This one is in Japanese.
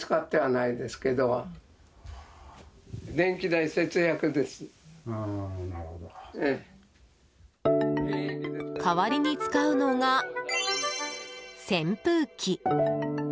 代わりに使うのが、扇風機。